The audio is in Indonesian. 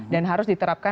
dan harus diterapkan